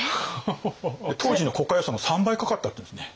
当時の国家予算の３倍かかったっていうんですね。